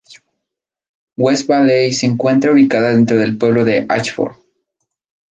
West Valley se encuentra ubicada dentro del pueblo de Ashford.